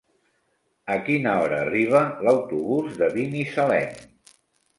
A quina hora arriba l'autobús de Binissalem?